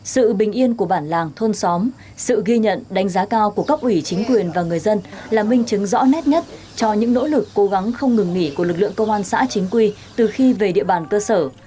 sự bình yên của bản làng thôn xóm sự ghi nhận đánh giá cao của cấp ủy chính quyền và người dân là minh chứng rõ nét nhất cho những nỗ lực cố gắng không ngừng nghỉ của lực lượng công an xã chính quy từ khi về địa bàn cơ sở